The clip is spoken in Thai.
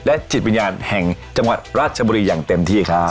จิตวิญญาณแห่งจังหวัดราชบุรีอย่างเต็มที่ครับ